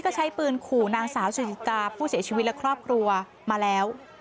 ก็ใช้ปืนขู่นางสาวชนิกาผู้เสียชีวิตและครอบครัวมาแล้ว